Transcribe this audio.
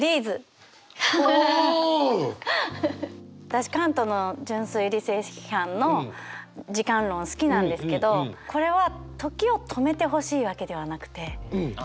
私カントの「純粋理性批判」の時間論好きなんですけどこれは時を止めてほしいわけではなくて。